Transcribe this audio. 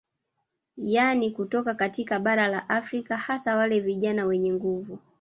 Yani kutoka katika bara la Afrika hasa wale vijana wenye nguvu